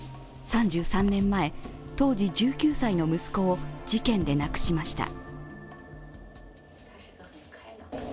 ３３年前、当時１９歳の息子を事件で亡くしました。